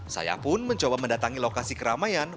saya pun mencoba mendatangi lokasi keramaian